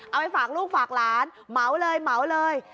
เอาไปฝากลูกฝากหลานเหมาเลยเหมาเลย